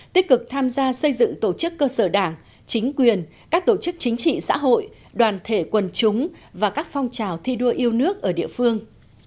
tích cực tham gia xây dựng tổ chức cơ sở đảng chính quyền các tổ chức chính trị xã hội đoàn thể quần chúng và các phong trào thi đua yêu nước ở địa phương